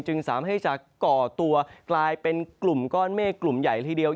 จึงสามารถให้จะก่อตัวกลายเป็นกลุ่มก้อนเมฆกลุ่มใหญ่ละทีเดียว